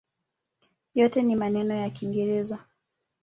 Yote ni maneno ya kiingereza.